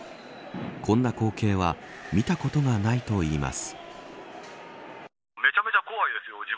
こんな光景は見たことがないといいます。